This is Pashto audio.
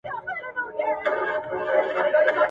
سیوری د چایمه؟ !.